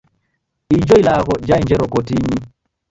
Ijo ilagho jaenjero kotinyi.